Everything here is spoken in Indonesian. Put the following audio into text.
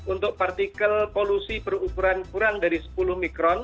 untuk partikel polusi berukuran kurang dari sepuluh mikron